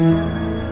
ini udah berakhir